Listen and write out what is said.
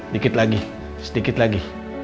dikit lagi sedikit lagi